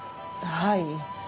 はい。